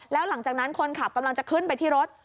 แล้วหลังจากนั้นคนขับกำลังจะขึ้นไปที่รถ